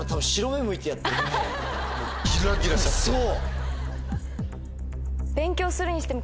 そう。